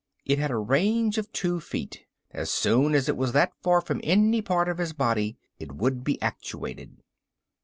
It had a range of two feet. As soon as it was that far from any part of his body it would be actuated.